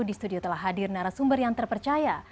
di studio telah hadir narasumber yang terpercaya